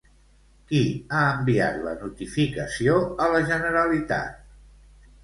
Qui ha enviat la notificació a la Generalitat?